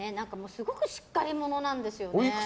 すごくしっかり者なんですよね。